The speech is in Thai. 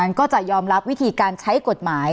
มันก็จะยอมรับวิธีการใช้กฎหมาย